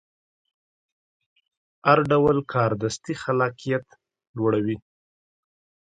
هر ډول کاردستي خلاقیت لوړوي.